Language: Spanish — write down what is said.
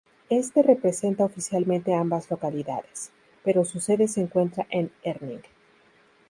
Éste representa oficialmente a ambas localidades, pero su sede se encuentra en Herning.